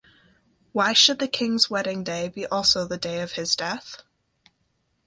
Why should the king's wedding day be also the day of his death?